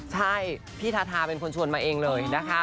ใช่พี่ทาทาเป็นคนชวนมาเองเลยนะคะ